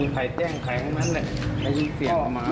ไข้แต้งไข้คลำมัน